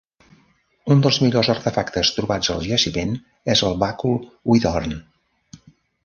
Un dels millors artefactes trobats al jaciment és el bàcul Whithorn.